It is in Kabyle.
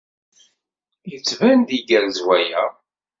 Yettban-d igerrez waya.